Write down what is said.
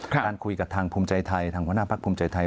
การคุยกับทางภูมิใจไทยทางคุณภาคภูมิใจไทย